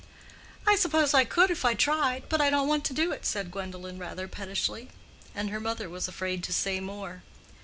"I suppose I could if I tried, but I don't want to do it," said Gwendolen, rather pettishly; and her mother was afraid to say more.